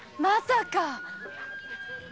まさか？